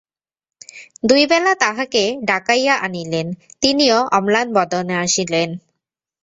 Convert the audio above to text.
দুই বেলা তাঁহাকে ডাকাইয়া আনিলেন, তিনিও অম্লানবদনে আসিলেন।